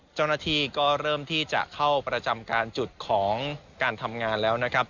เจ้าหน้าที่ก็เริ่มที่จะเข้าประจำการจุดของการทำงานแล้วนะครับ